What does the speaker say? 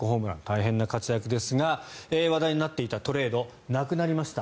大変な活躍ですが話題になっていたトレードなくなりました。